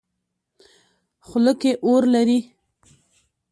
خوله کې اور لري.